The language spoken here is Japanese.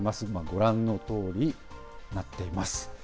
ご覧のとおりになっています。